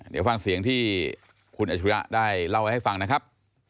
เดี๋ยวฟังเสียงที่คุณอาชิริยะได้เล่าไว้ให้ฟังนะครับ